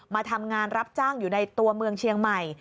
มาทำงานรับจ้างอยู่ในตัวเมืองเชียงใหม่